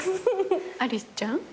アリスちゃんと？